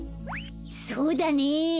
そうだね！